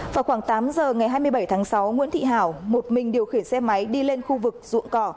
vào khoảng tám giờ ngày hai mươi bảy tháng sáu nguyễn thị hảo một mình điều khiển xe máy đi lên khu vực ruộng cỏ